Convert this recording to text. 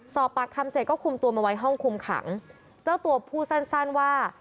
สอบปากคำเสร็จก็คุมตัวมาไว้ห้องคุมขังเจ้าตัวพูดสั้นสั้นว่า